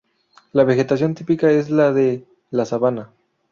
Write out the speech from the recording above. La vegetación típica es la de la Sabana.